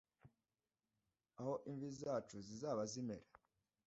aho imvi zacu zizaba zimera